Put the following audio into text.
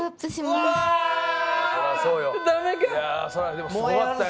でもすごかったよ。